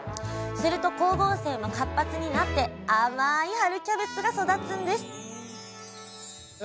すると光合成も活発になって甘い春キャベツが育つんです